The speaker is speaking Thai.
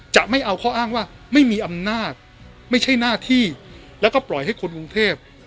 จะไม่เอาข้ออ้างว่าไม่มีอำนาจไม่ใช่หน้าที่แล้วก็ปล่อยให้คนกรุงเทพ